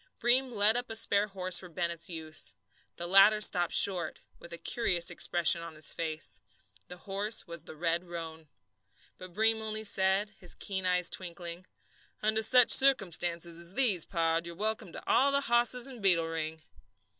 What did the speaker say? Breem led up a spare horse for Bennett's use. The latter stopped short, with a curious expression on his face. The horse was the red roan. But Breem only said, his keen eyes twinkling: "Under such circumstances as these, pard, you're welcome to all the hosses in Beetle Ring."